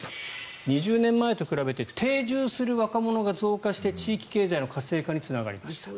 ２０年前と比べて定住する若者が増加して地域経済の活性化につながりました。